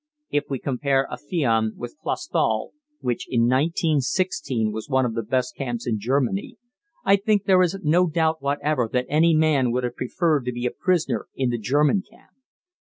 If we compare Afion with Clausthal, which in 1916 was one of the best camps in Germany, I think there is no doubt whatever that any man would have preferred to be a prisoner in the German camp.